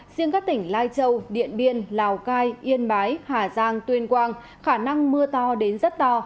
riêng các tỉnh lai châu điện biên lào cai yên bái hà giang tuyên quang khả năng mưa to đến rất to